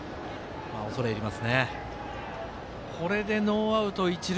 恐れ入りますね。